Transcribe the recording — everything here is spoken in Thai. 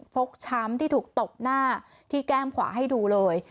กช้ำที่ถูกตบหน้าที่แก้มขวาให้ดูเลย